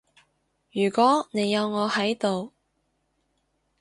如果你有我喺度